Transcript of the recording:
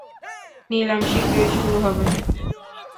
নিলাম শীঘ্রই শুরু হবে।